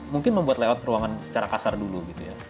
mungkin membuat lewat ruangan secara kasar dulu gitu ya